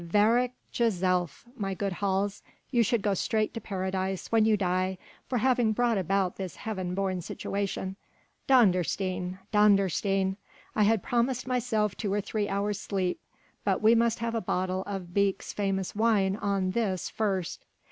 Verrek jezelf, my good Hals, you should go straight to Paradise when you die for having brought about this heaven born situation. Dondersteen! Dondersteen! I had promised myself two or three hours' sleep, but we must have a bottle of Beek's famous wine on this first!"